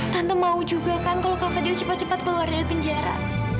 dan tante mau juga kan kalau kak fadil cepat cepat keluar dari penjara